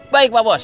baik pak bos